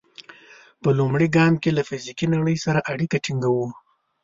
په لومړي ګام کې له فزیکي نړۍ سره اړیکه ټینګوو.